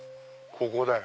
ここだよ。